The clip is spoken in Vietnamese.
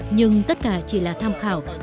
nhưng tất cả chỉ là tham khảo